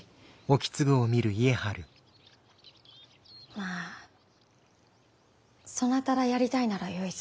まぁそなたらやりたいならよいぞ。